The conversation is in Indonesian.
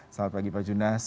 selamat pagi pak junas